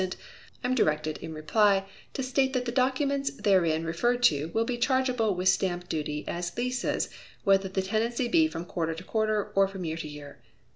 I am directed, in reply, to state that the documents therein referred to will be chargeable with stamp duty as leases whether the tenancy be from quarter to quarter, or from year to year.